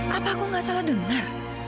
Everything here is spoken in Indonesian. apa aku gak salah dengar